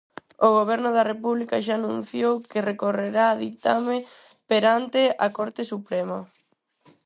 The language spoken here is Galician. O goberno da República xa anunciou que recorrerá o ditame perante a Corte Suprema.